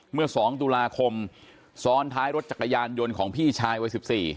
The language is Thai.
เมื่อ๒ตุลาคมซ้อนท้ายรถจักรยานยนต์ของพี่ชายวัย๑๔